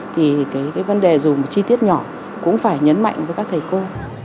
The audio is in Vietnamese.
thì cái vấn đề dù một chi tiết nhỏ cũng phải nhấn mạnh với các thầy cô